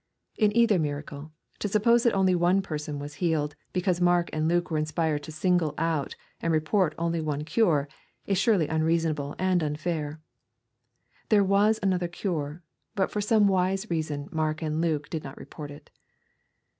In either miracle, to suppose that only one person was healed, because Mark and Luke were inspired to single out and re port only one cure, is surely unreasonable and unfair. There was another cure, but for some wise reason, Mark and Luke did not report it.